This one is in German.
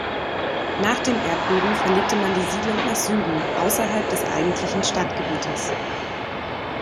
Nach dem Erdbeben verlegte man die Siedlung nach Süden, außerhalb des eigentlichen Stadtgebietes.